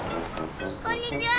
「こんにちは」